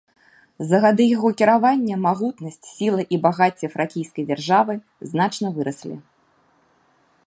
За гады яго кіравання магутнасць, сіла і багацце фракійскай дзяржавы значна выраслі.